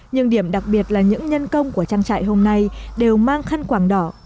nhưng điểm đặc biệt là những nhân công của trang trại hôm nay đều mang khăn quảng đỏ